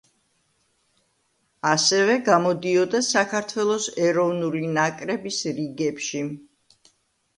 ასევე გამოდიოდა საქართველოს ეროვნული ნაკრების რიგებში.